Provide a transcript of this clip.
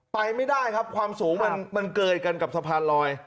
ไปไม่ได้ครับความสูงมันเกยกันกับสะพานลอย